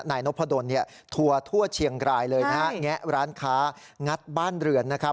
นายนพดลเนี่ยทัวร์ทั่วเชียงรายเลยนะฮะแงะร้านค้างัดบ้านเรือนนะครับ